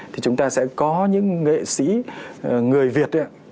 thì chúng ta sẽ có những nghệ sĩ người việt ấy ạ